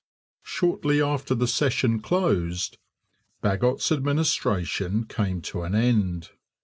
Shortly after the session closed Bagot's administration came to an end.